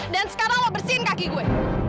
dan sekarang lo bersihin kaki gue